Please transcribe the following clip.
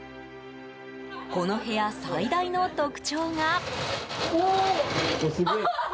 この部屋最大の特徴が。